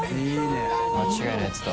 間違いないやつだ。